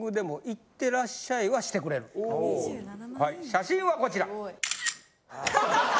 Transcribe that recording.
はい写真はこちら。